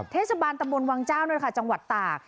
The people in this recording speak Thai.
เทศบาลตะบนวังเจ้าจังหวัดต่าง